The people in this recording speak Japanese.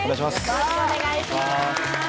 よろしくお願いします